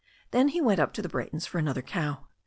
Then he went up to the Braytons for another cow.